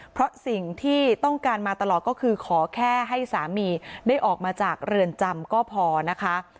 เพราะสิ่งที่ต้องการมาตลอดก็คือขอแค่ให้สามีได้ออกมาจากเรือนจำก็พอนะคะ